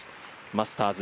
マスターズ